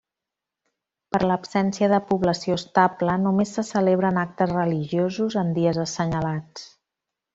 Per l'absència de població estable només se celebren actes religiosos en dies assenyalats.